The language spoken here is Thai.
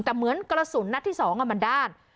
แต่เหมือนกระสุนนัดที่๒มันด้าน